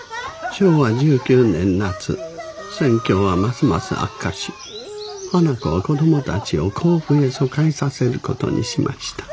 昭和１９年夏戦況はますます悪化し花子は子どもたちを甲府へ疎開させる事にしました。